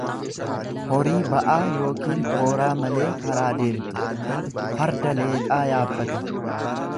horii ba'aa yookiin kooraa malee karaa deemtu; Farda leexaa yaabbate.